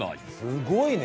すごいね。